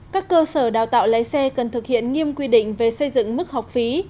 các cơ sở đào tạo lái xe cần thực hiện nghiêm quy định về xây dựng mức học phí